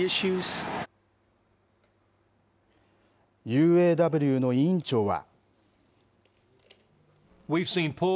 ＵＡＷの委員長は。